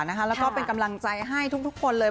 แล้วก็เป็นกำลังใจให้ทุกคนเลย